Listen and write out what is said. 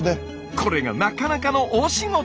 これがなかなかの大仕事！